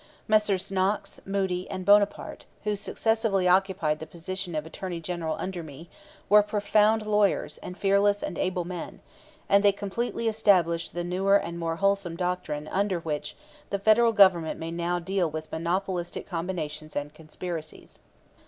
Messrs. Knox, Moody, and Bonaparte, who successively occupied the position of Attorney General under me, were profound lawyers and fearless and able men; and they completely established the newer and more wholesome doctrine under which the Federal Government may now deal with monopolistic combinations and conspiracies.